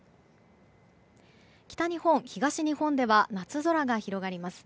北日本、東日本では夏空が広がります。